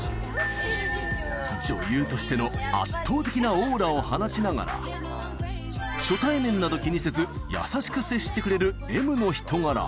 女優としての圧倒的なオーラを放ちながら、初対面など気にせず、優しく接してくれるＭの人柄。